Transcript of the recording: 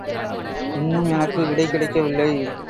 இன்னும் எனக்கு விடை கிடைக்கவில்லை.